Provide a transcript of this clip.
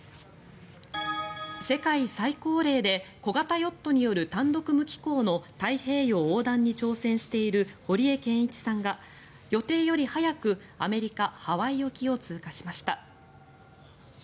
世界最高齢で小型ヨットによる単独無寄港の太平洋横断に挑戦している堀江謙一さんが予定より早くアメリカ・ハワイ沖を通過しました。